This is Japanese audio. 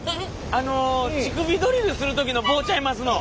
あの乳首ドリルする時の棒ちゃいますの？